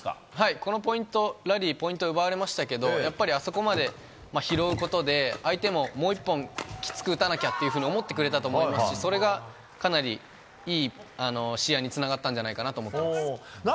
このポイントラリーポイントを奪われましたがあそこまで拾うことで相手ももう１本、きつく打たなきゃと思ったと思いますし、それがいい試合につながったんじゃないかなと思ってます。